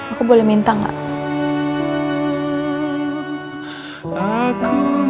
aku boleh minta nggak